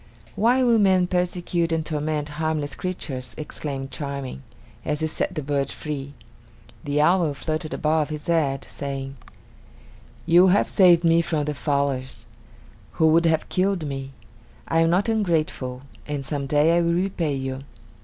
"Why will men persecute and torment harmless creatures!" exclaimed Charming, as he set the bird free. The owl fluttered above his head, saying: "You have saved me from the fowlers, who would have killed me. I am not ungrateful, and some day I will repay you!"